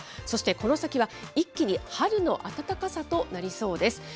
そしてこの先は一気に春の暖かさとなりそうです。